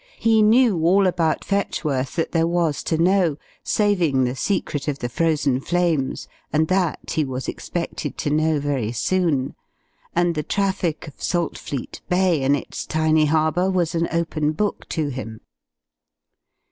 He knew all about Fetchworth that there was to know saving the secret of the Frozen Flames, and that he was expected to know very soon and the traffic of Saltfleet Bay and its tiny harbour was an open book to him.